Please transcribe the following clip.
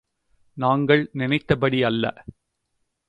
நாங்கள் நினைத்தபடி அல்ல.